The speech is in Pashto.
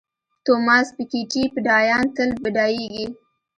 توماس پیکیټي بډایان تل بډایېږي.